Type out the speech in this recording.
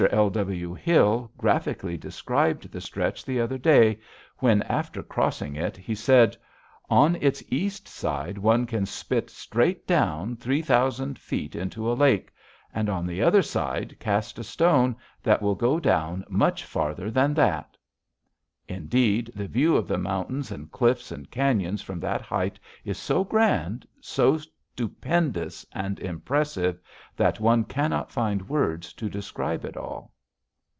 L. W. Hill graphically described the stretch the other day, when, after crossing it, he said: "On its east side one can spit straight down three thousand feet into a lake, and on the other side cast a stone that will go down much farther than that!" Indeed, the view of the mountains and cliffs and canyons from that height is so grand, so stupendous and impressive, that one cannot find words to describe it all.